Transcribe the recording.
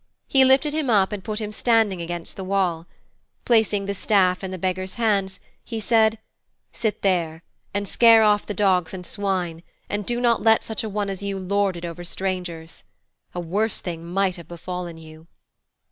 He lifted him up and put him standing against the wall. Placing the staff in the beggar's hands, he said, 6 Sit there, and scare off the dogs and swine, and do not let such a one as you lord it over strangers. A worse thing might have befallen you.'